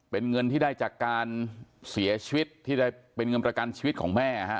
เป็นเงินที่ได้จากการเสียชีวิตที่ได้เป็นเงินประกันชีวิตของแม่ฮะ